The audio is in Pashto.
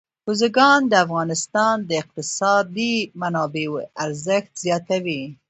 بزګان د افغانستان د اقتصادي منابعو ارزښت زیاتوي.